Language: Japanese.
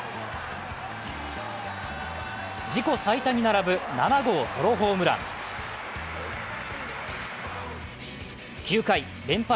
自己最多に並ぶ７号ソロホームラン９回、連敗